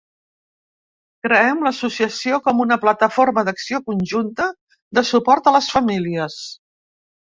Creem l’associació com una plataforma d’acció conjunta de suport a les famílies.